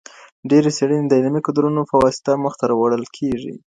ډېرې څېړني د علمي کدرونو په واسطه مخته وړل کیږي.